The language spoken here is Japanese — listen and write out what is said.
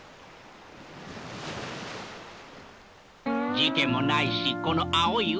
事件もないしこの青い海！